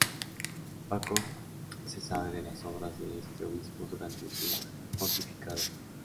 Poco se sabe de las obras de este obispo durante su pontificado.